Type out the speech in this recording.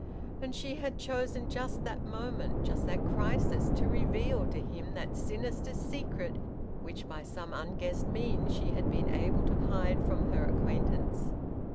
And she had chosen just that moment, just that crisis, to reveal to him that sinister secret which by some unguessed means she had been able to hide from her acquaintance.